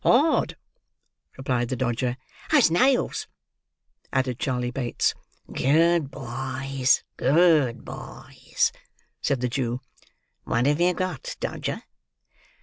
"Hard," replied the Dodger. "As nails," added Charley Bates. "Good boys, good boys!" said the Jew. "What have you got, Dodger?"